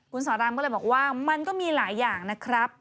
คุณสอนรามก็เลยบอกว่ามันก็มีหลายอย่างนะครับ